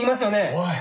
おい！